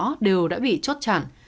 các cửa ngõ đều đã bị chốt chặn